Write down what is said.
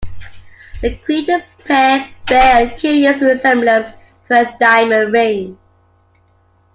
The crater pair bear a curious resemblance to a diamond ring.